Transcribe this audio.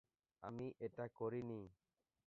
আমি এটা করিনি।